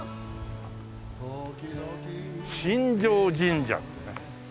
新城神社っていうね。